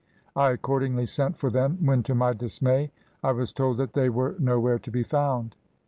I accordingly sent for them, when, to my dismay, I was told that they were nowhere to be found.